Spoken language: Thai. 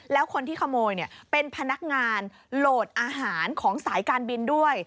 แล้วคนที่ขโมยเป็นพนักงานโหลดอาหารของสายการบินด้วย